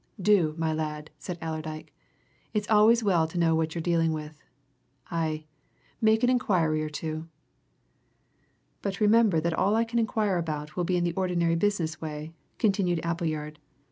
"Do, my lad!" said Allerdyke. "It's always well to know who you're dealing with. Aye make an inquiry or two." "But remember that all I can inquire about will be in the ordinary business way," continued Appleyard.